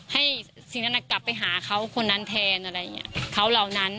สิ่งนั้นกลับไปหาเขาคนนั้นแทนอะไรอย่างนี้เขาเหล่านั้น